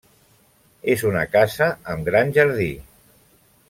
És una casa amb gran jardí.